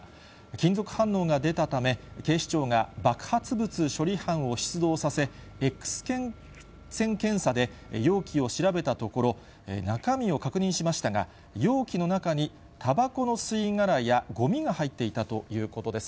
金属反応が出たため、警視庁が爆発物処理班を出動させ、Ｘ線検査で容器を調べたところ、中身を確認しましたが、容器の中にたばこの吸い殻やごみが入っていたということです。